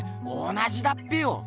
同じだっぺよ！